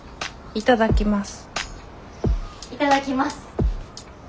いただきます。